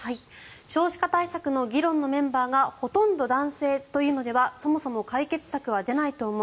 少子化対策の議論のメンバーがほとんど男性というのではそもそも解決策は出ないと思う。